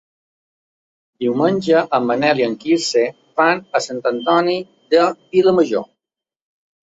Diumenge en Manel i en Quirze van a Sant Antoni de Vilamajor.